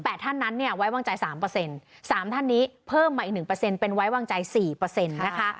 ท่านนั้นเนี่ยไว้วางใจสามเปอร์เซ็นต์สามท่านนี้เพิ่มมาอีกหนึ่งเปอร์เซ็นต์เป็นไว้วางใจสี่เปอร์เซ็นต์นะคะ